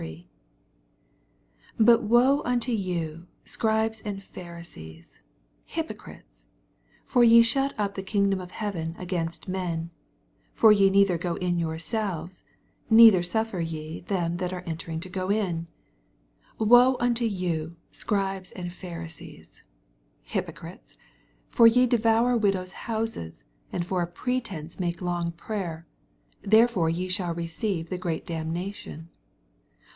18 But woe unto you, Scribes and i^harisees, hypocrites I for je shut up the kingdom of heaven against men : for ye neither go m yourMMi, nei ther sufTer ye them that are entering tagoin. MATTHEW, CHAP. ZXHI. 301 14 Woe nnto yon, Scribes and Pbarisees, hypocrites l' for ye devonr widows' nouses, and for a pretence make long prayer : therefore ye shall receive the greater damnation.